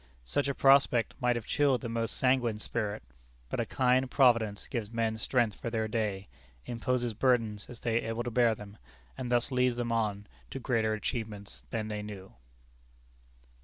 Such a prospect might have chilled the most sanguine spirit. But a kind Providence gives men strength for their day, imposes burdens as they are able to bear them, and thus leads them on to greater achievements than they knew.